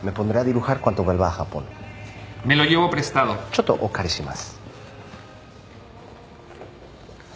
ちょっとお借りします。